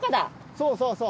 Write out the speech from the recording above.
そうそうそう。